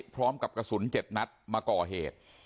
พร้อมกับกระสุน๗นัดมาก่อเหตุ